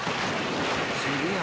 ［すげえ雨］